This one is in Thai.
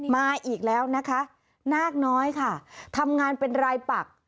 มาอีกแล้วนะคะนาคน้อยค่ะทำงานเป็นรายปัก